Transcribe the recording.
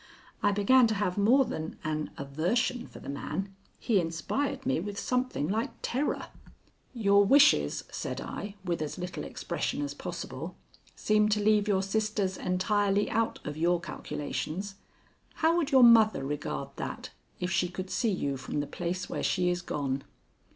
I began to have more than an aversion for the man. He inspired me with something like terror. "Your wishes," said I, with as little expression as possible, "seem to leave your sisters entirely out of your calculations. How would your mother regard that if she could see you from the place where she is gone?"